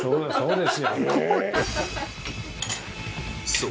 そう！